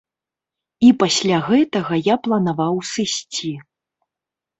І пасля гэтага я планаваў сысці.